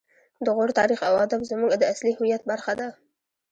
د غور تاریخ او ادب زموږ د اصلي هویت برخه ده